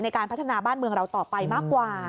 ในการพัฒนาบ้านเมืองเราต่อไปมากกว่า